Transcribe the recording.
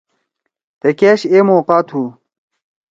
تھے کیش اے موقع تُھو۔